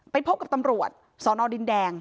พบกับตำรวจสอนอดินแดง